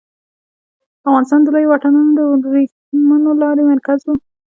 افغانستان د لویو واټونو د ورېښمو لارې مرکز و